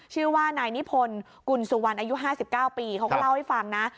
ชื่อว่านายนิพนธ์กุลสุวรรณอายุ๕๙ปีเขาก็เล่าให้ฟังนะ